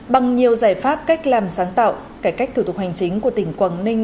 bằng nhiều giải pháp cách làm sáng tạo cải cách thủ tục hành chính của tỉnh quảng ninh